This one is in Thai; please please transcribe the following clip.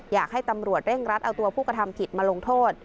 อยากให้ตำรวจเร่งรัดเอาตัวผู้กระทำผิดมาลงโทษ